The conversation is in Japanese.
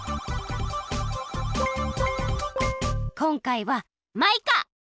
こんかいはマイカ！